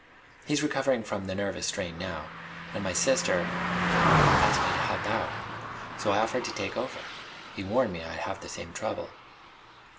He's recovering from the nervous strain now, and my sister ... eh, asked me to help out. So I offered to take over. He warned me I'd have the same trouble."